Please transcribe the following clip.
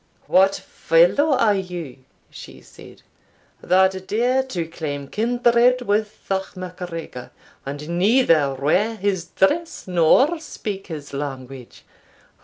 "What fellow are you," she said, "that dare to claim kindred with the MacGregor, and neither wear his dress nor speak his language?